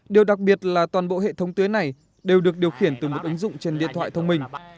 điều đặc biệt là toàn bộ hệ thống tưới này đều được điều khiển từ một ứng dụng trên điện thoại thông minh